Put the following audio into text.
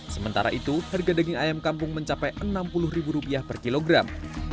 sementara itu harga daging ayam kampung mencapai rp enam puluh per kilogram